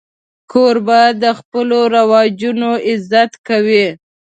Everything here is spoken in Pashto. کوربه د خپلو رواجونو عزت کوي.